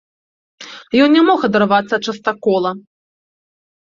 Ён не мог адарвацца ад частакола.